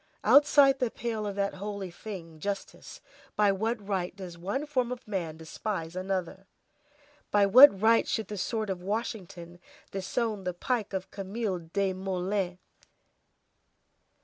Outside the pale of that holy thing, justice, by what right does one form of man despise another? By what right should the sword of Washington disown the pike of Camille Desmoulins?